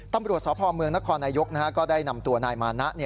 ตำรวจสพเมืองนครนายกก็ได้นำตัวนายมานะ